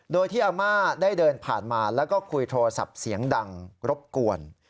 โดยที่อาม่าได้เดินผ่านมาแล้วก็คุยโทรศัพท์เสียงดังรบกวน